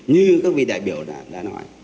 như các vị đại biểu đã nói